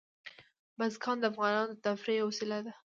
بزګان د افغانانو د تفریح یوه وسیله ده.